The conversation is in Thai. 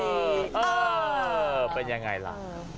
โอ้โหเป็นยังไงล่ะ